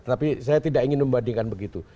tapi saya tidak ingin membandingkan begitu